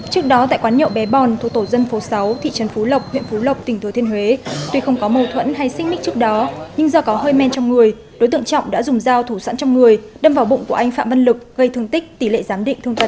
trước đó tại quán nhậu bé bòn thuộc tổ dân phố sáu thị trấn phú lộc huyện phú lộc tỉnh thừa thiên huế tuy không có mâu thuẫn hay xích mích trước đó nhưng do có hơi men trong người đối tượng trọng đã dùng dao thủ sẵn trong người đâm vào bụng của anh phạm văn lực gây thương tích tỷ lệ giám định thương tật